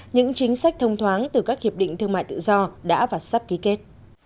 những chính sách thông thoáng từ các hiệp định thương mại tự do đã và sắp ký kết